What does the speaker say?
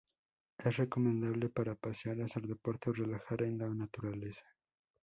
Es recomendable para pasear, hacer deporte o relajar en la naturaleza.